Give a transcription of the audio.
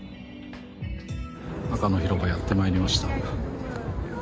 赤の広場、やってまいりました。